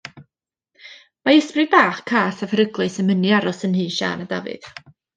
Mae ysbryd bach cas a pheryglus yn mynnu aros yn nhŷ Siân a Dafydd.